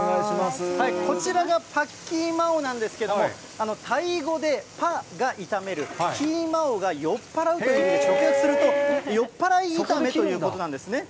こちらがパッキーマオなんですけれども、タイ語でパッが炒める、キーマオが酔っ払うという、直訳すると、酔っ払い炒めということなんですね。